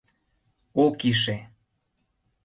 Ок ише.